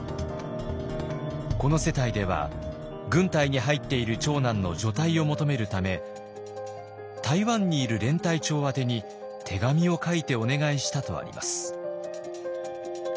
この世帯では軍隊に入っている長男の除隊を求めるため台湾にいる連隊長宛てに手紙を書いてお願いしたとあります。